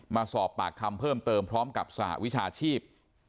มาสอบปากคำเพิ่มเติมพร้อมกับสหวิชาชีพ